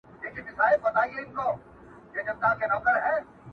د کښتۍ مخي ته پورته سول موجونه!.